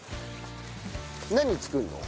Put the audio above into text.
何作るの？